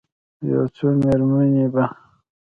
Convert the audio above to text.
یو څو میرمنې به،